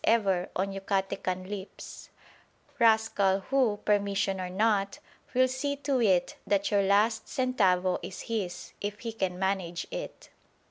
ever on Yucatecan lips) rascal who, permission or not, will see to it that your last centavo is his, if he can manage it.